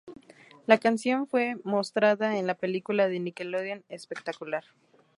La canción fue mostrada en la película de Nickelodeon, "Spectacular!".